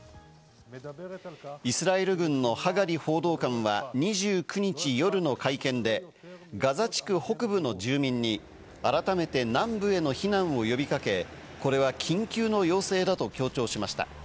イスラエル軍のハガリ報道官は２９日夜の会見でガザ地区北部の住民に改めて南部への避難を呼び掛け、これは緊急の要請だと強調しました。